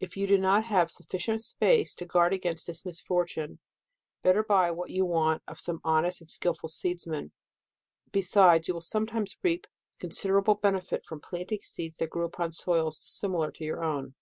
If you have not sufficient space to guard 202 DECEMBER. against this misfortune, better buy what you may want, of some honest and skilful seeds man. Besides, you will sometimes reap con siderable benefit from planting seeds that grew upon soils dissimilar to your own.